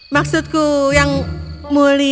maksudku yang mulia